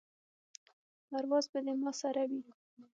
پرواز به دې ما سره وي.